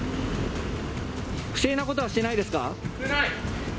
不正なことはしてないですか？